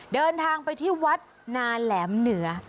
เดินทางไปที่วัดนาแหลมเหนือ